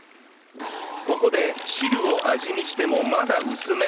ここで汁を味見してもまだ薄め